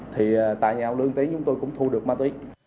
thì tại nhà lương tiến chúng tôi cũng thu được ma túy